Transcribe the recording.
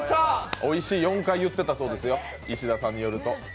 「おいしい」４回言ってたそうですよ、石田さんによると。